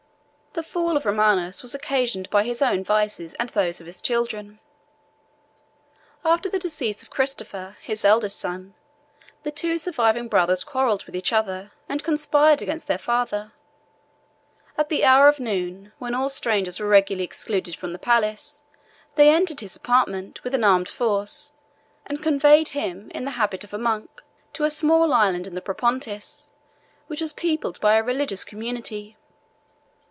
The fall of Romanus was occasioned by his own vices and those of his children. After the decease of Christopher, his eldest son, the two surviving brothers quarrelled with each other, and conspired against their father. At the hour of noon, when all strangers were regularly excluded from the palace, they entered his apartment with an armed force, and conveyed him, in the habit of a monk, to a small island in the Propontis, which was peopled by a religious community.